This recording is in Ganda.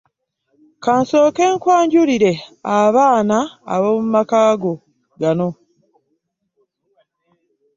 Kansooke nkwanjulire abaana abomumako gano.